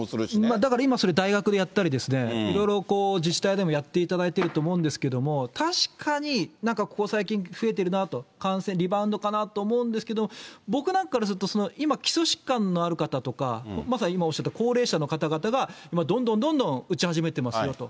だから今、それを大学でやったり、いろいろ自治体でもやっていただいてると思うんですけれども、確かになんかここ最近、増えてるなと、感染、リバウンドかなと思うんですけど、僕なんかからすると、今、基礎疾患のある方とか、まさに今おっしゃった高齢者の方々が、今、どんどんどんどん打ち始めてますよと。